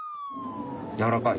やわらかい？